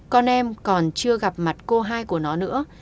con em còn chưa gặp mặt cô hai của nó nữa